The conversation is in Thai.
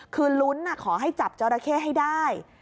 คืนลุ้นอ่ะขอให้จับเจ้าระเข้ให้ได้